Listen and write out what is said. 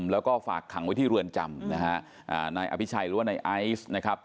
แล้วก็ฝากขังไว้ที่รื่อนจำนายอภิไชยส์หรือว่านายไอศภ์